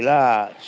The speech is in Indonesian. selama proses ini